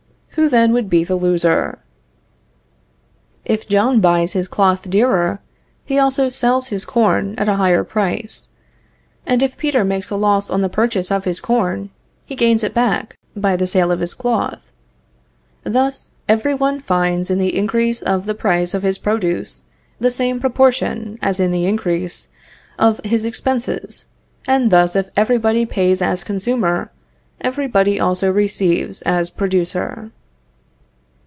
Who then would be the loser? If John buys his cloth dearer, he also sells his corn at a higher price; and if Peter makes a loss on the purchase of his corn, he gains it back by the sale of his cloth. Thus "every one finds in the increase of the price of his produce, the same proportion as in the increase of his expenses; and thus if every body pays as consumer, every body also receives as producer."